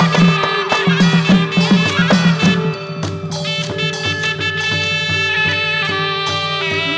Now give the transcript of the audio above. วู้วู้วู้